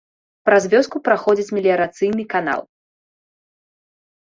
Праз вёску праходзіць меліярацыйны канал.